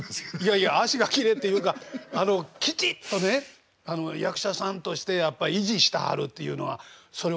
いや脚がきれいっていうかきちっとね役者さんとしてやっぱ維持したはるっていうのはそれを感じますよ。